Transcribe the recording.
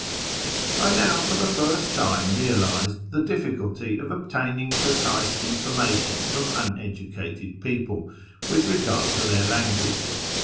I now for the first time realised the difficulty of obtaining precise information from uneducated people with regard to their language.